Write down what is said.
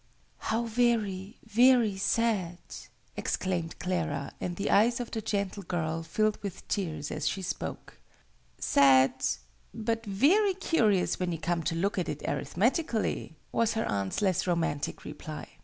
"How very, very sad!" exclaimed Clara; and the eyes of the gentle girl filled with tears as she spoke. "Sad but very curious when you come to look at it arithmetically," was her aunt's less romantic reply.